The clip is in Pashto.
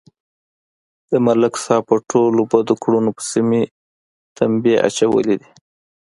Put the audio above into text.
د ملک صاحب په ټولو بدو کړنو پسې مې تمبې اچولې دي